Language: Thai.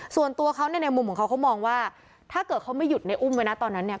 ส่วนตัวเขาเนี่ยในมุมของเขาเขามองว่าถ้าเกิดเขาไม่หยุดในอุ้มไว้นะตอนนั้นเนี่ย